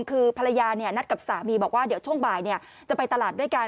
คือภรรยานัดกับสามีบอกว่าเดี๋ยวช่วงบ่ายจะไปตลาดด้วยกัน